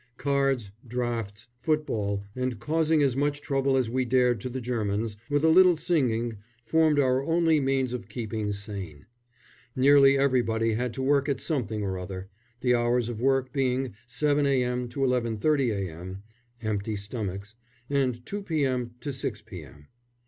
Cards, draughts, football, and causing as much trouble as we dared to the Germans, with a little singing, formed our only means of keeping sane. Nearly everybody had to work at something or other, the hours of work being 7 a.m. to 11.30 a.m. (empty stomachs), and 2 p.m. to 6 p.m.